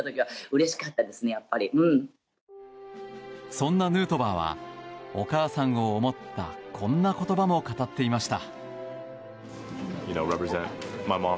そんなヌートバーはお母さんを思ったこんな言葉も語っていました。